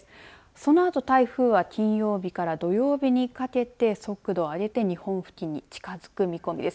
そのあと台風は金曜日から土曜日にかけて速度を上げて日本付近に近づく見込みです。